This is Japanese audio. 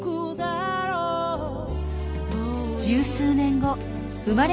十数年後生まれ